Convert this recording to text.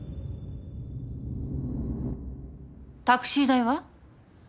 タクシー代は？